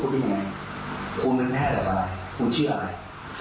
คุณเป็นแพทย์หรือเปล่าอะไรคุณเชื่ออะไร